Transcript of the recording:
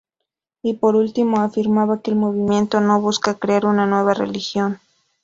Y por último, afirmaba que el movimiento no busca crear una nueva religión.